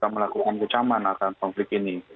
melakukan kecaman akan konflik ini